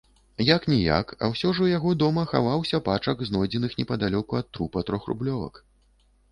Як-ніяк, а ўсё ж у яго дома хаваўся пачак знойдзеных непадалёку ад трупа трохрублёвак.